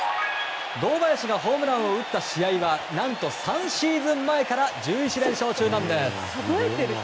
堂林がホームランを打った試合は何と３シーズン前から１１連勝中なんです。